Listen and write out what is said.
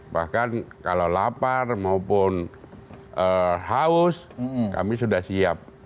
bahkan kalau lapar maupun haus kami sudah siap